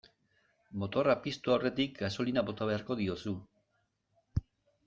Motorra piztu aurretik gasolina bota beharko diozu.